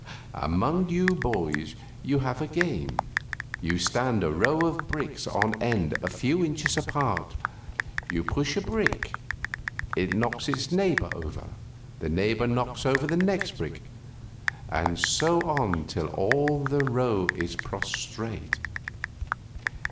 Among you boys you have a game: you stand a row of bricks on end a few inches apart; you push a brick, it knocks its neighbor over, the neighbor knocks over the next brick and so on till all the row is prostrate.